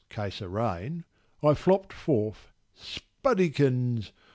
case o' rain, I flopp'd forth, 'sbuddikins!